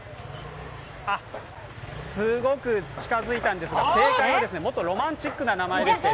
すごく近づいたんですが、正解はもっとロマンチックな名前でして。